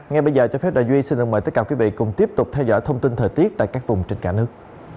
ngay bây giờ cho phép đà duy xin mời tất cả quý vị cùng tiếp tục theo dõi thông tin thời tiết tại các vùng trên cả nước